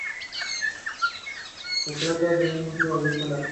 Se encuentra ubicado en la comarca de Sanabria, al noroeste de la provincia.